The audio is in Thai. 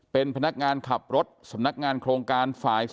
เป็นพนักงานขับรถสำนักงานโครงการฝ่าย๒